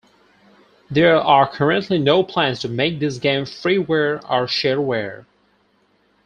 There are currently no plans to make this game freeware or shareware.